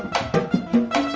masa mainnya ular tangga